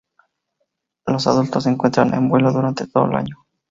Los adultas se encuentran en vuelo durante todo el año.